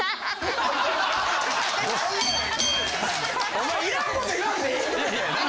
お前いらんこと言わんでええねん。